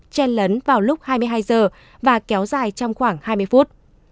chen lấn vào lúc hai mươi hai h và kéo dài trong khoảng hai mươi phút